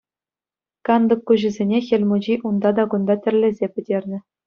Кантӑк куҫӗсене Хӗл Мучи унта та кунта тӗрлесе пӗтернӗ.